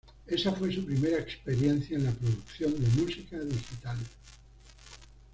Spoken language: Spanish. Ésa fue su primera experiencia en la producción de música digital.